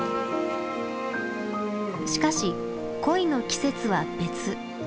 しかし恋の季節は別。